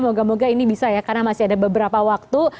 moga moga ini bisa ya karena masih ada beberapa waktu